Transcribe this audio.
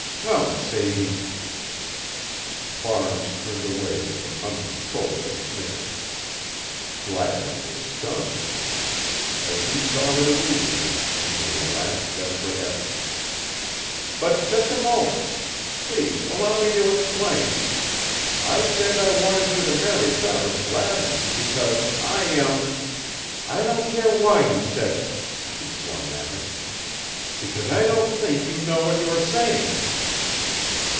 _ Come, Sadie." Barnes turned away with an uncontrollable snicker. Gladwin was stunned. As he saw her leaving him he made a last desperate effort: "But just a moment. Please allow me to explain. I said I wanted you to marry Travers Gladwin, because I am" "I don't care why you said it," she flung at him, "because I don't think you know what you are saying."